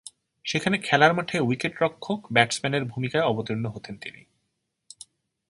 সেখানে খেলার মাঠে উইকেটরক্ষক-ব্যাটসম্যানের ভূমিকায় অবতীর্ণ হতেন তিনি।